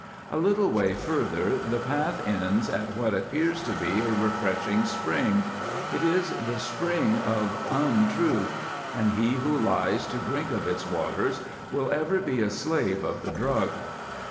A little way further the path ends at what appears to be a refreshing spring; it is the Spring of Untruth, and he who lies to drink of its waters will ever be a slave of the drug.